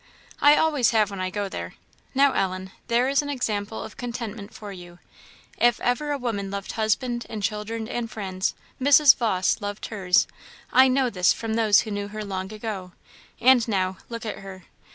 "I always have when I go there. Now, Ellen, there is an example of contentment for you. If ever a woman loved husband and children and friends, Mrs. Vawse loved hers; I know this from those who knew her long ago; and now, look at her.